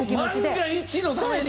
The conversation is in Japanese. もう万が一のために。